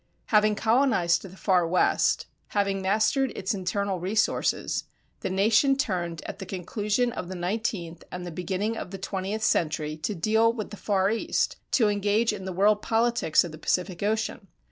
Having colonized the Far West, having mastered its internal resources, the nation turned at the conclusion of the nineteenth and the beginning of the twentieth century to deal with the Far East to engage in the world politics of the Pacific Ocean.